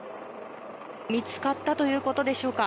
見つかったということでしょうか。